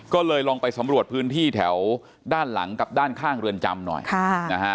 ก็เลยลองไปสำรวจพื้นที่แถวด้านหลังกับด้านข้างเรือนจำหน่อยค่ะนะฮะ